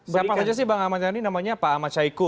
siapa saja sih bang ahmad dhani namanya pak ahmad syahiku